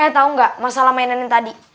eh tau gak masalah mainan yang tadi